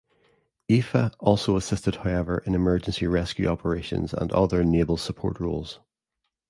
"Aoife" also assisted however in emergency rescue operations and other naval support roles.